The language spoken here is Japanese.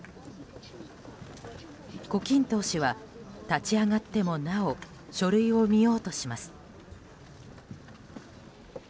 胡錦涛氏は立ち上がってもなお書類を見ようとします。